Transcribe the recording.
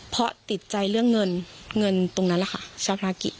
เพราะติดใจเรื่องเงินเงินตรงนั้นแหละค่ะชาวภารกิจ